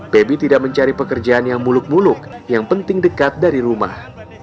pebi tidak mencari pekerjaan yang muluk muluk yang penting dekat dari rumah